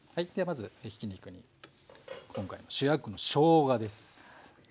ではまずひき肉に今回の主役のしょうがです。